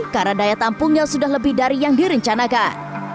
karena daya tampungnya sudah lebih dari yang direncanakan